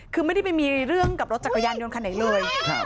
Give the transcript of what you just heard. คือไม่ได้ไปมีเรื่องกับรถจักรยานยนต์คันไหนเลย